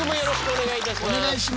お願いします。